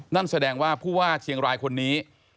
นั่นแสดงว่าผู้ว่าเชียงรายคนนี้